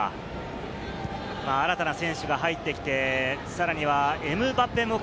新たな選手が入ってきて、さらにはエムバペも。